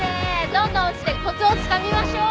どんどん落ちてコツをつかみましょう。